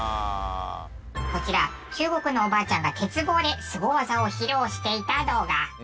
こちら中国のおばあちゃんが鉄棒ですご技を披露していた動画。